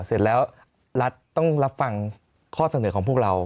เสร็จแล้วรัฐต้องรับฟังข้อเสนอของพวกเรา